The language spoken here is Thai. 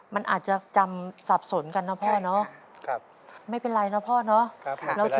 มันอาจจะจำสับสนกันนะพ่อนะ